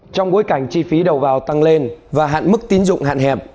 trong bối cảnh chi phí đầu vào tăng lên và hạn mức tín dụng hạn hẹp